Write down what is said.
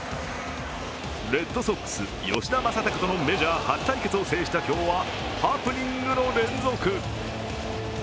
レッドソックス・吉田正尚とのメジャー初対決を制した今日はハプニングの連続。